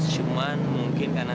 cuman mungkin karena